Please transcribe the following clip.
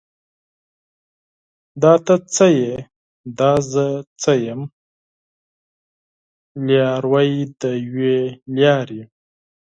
دا ته څه یې؟ دا زه څه یم؟ لاروي د یوې لارې